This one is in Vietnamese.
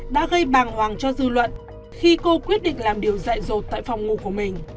đã gây bàng hoàng cho dư luận khi cô quyết định làm điều dạy rột tại phòng ngủ của mình